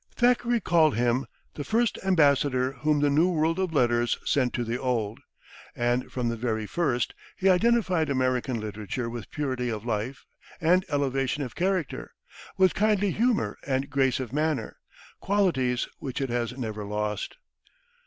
Thackeray called him "the first ambassador whom the New World of letters sent to the Old," and from the very first he identified American literature with purity of life and elevation of character, with kindly humor and grace of manner qualities which it has never lost.